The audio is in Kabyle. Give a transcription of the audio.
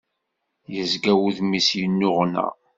Yezga wudem-is yennuɣna.